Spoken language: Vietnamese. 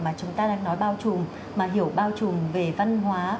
mà chúng ta đang nói bao trùm mà hiểu bao trùm về văn hóa